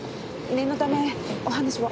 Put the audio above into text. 念のためお話を。